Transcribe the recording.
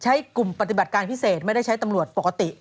กลุ่มปฏิบัติการพิเศษไม่ได้ใช้ตำรวจปกติ